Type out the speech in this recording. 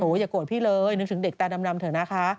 อย่าโกรธพี่เลยนึกถึงเด็กตาดำเถอะนะคะ